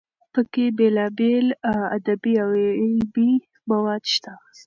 پکې بېلابېل ادبي او علمي مواد شته.